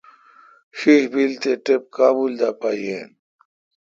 بیل تے ٹپ کابل دا پا یین۔